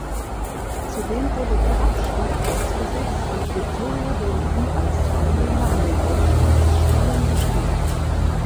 Zudem wurde der Abstieg ausgesetzt und Viktoria Berlin als Teilnehmer an den Aufstiegsspielen bestimmt.